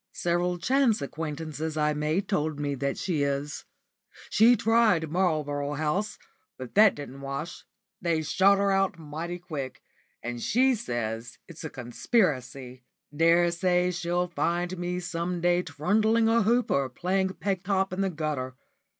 Several chance acquaintances I made told me that she is. She tried Marlborough House, but that didn't wash. They shot her out mighty quick, and she says it's a conspiracy. Daresay she'll find me some day trundling a hoop or playing peg top in the gutter.